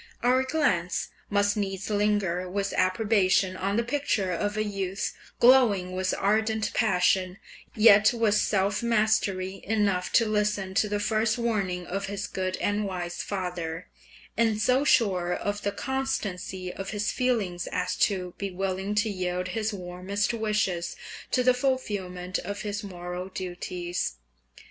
Our glance must needs linger with approbation on the picture of a youth glowing with ardent passion, yet with self mastery enough to listen to the first warning of his good and wise father, and so sure of the constancy of his feelings as to be willing to yield his warmest wishes to the fulfilment of his moral duties.